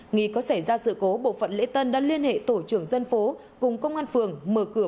nghi có xảy ra sự cố bộ phận lễ tân đã liên hệ tổ trưởng dân phố cùng công an phường mở cửa